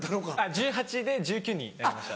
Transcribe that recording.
１８歳で１９歳になりました。